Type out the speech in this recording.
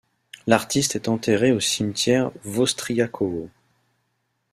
L'artiste est enterré au cimetière Vostriakovo.